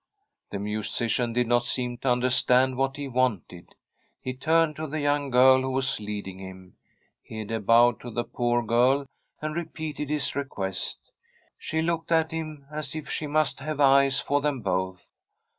The musician did not seem to understand what he wanted. He turned to the young girl who was leading him. Hede bowed to the poor girl and repeated his request. She looked at him, as if she must have eyes for them both.